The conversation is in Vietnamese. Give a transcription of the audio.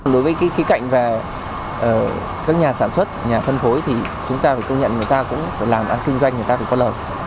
đối với cái khí cạnh về các nhà sản xuất nhà phân phối thì chúng ta phải công nhận người ta cũng phải làm kinh doanh người ta phải có lợi